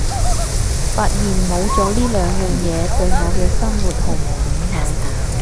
發現冇咗呢兩樣嘢對我嘅生活毫無影響